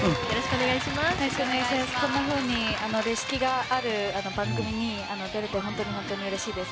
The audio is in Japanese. こんなふうに歴史がある番組に出れて本当にうれしいです。